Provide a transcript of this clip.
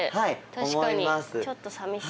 確かにちょっと寂しい。